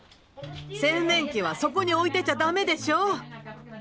洗面器はそこに置いてちゃダメでしょう？